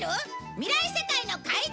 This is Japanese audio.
「未来世界の怪人」